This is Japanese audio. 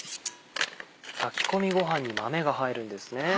炊き込みごはんに豆が入るんですね。